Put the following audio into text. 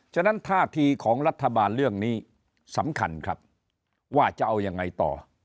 ฉะนั้นท่าทีของรัฐบาลเรื่องนี้สำคัญครับว่าจะเอายังไงต่อ